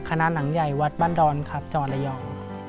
คณะหนังใหญ่วัดบ้านดรครับจรรยอง